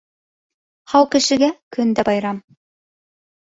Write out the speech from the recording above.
Һау кешегә көндә байрам.